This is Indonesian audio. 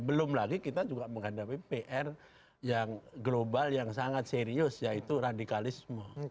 belum lagi kita juga menghadapi pr yang global yang sangat serius yaitu radikalisme